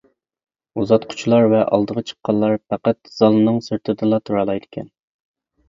ئۇزاتقۇچىلار ۋە ئالدىغا چىققانلار پەقەت زالنىڭ سىرتىدىلا تۇرالايدىكەن.